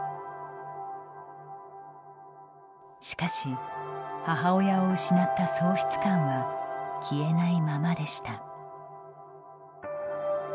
しかし、母親を失った喪失感は消えないままでした。